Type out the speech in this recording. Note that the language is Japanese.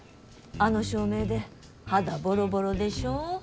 あの照明で肌ボロボロでしょう。